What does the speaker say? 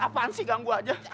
apaan sih gangguan aja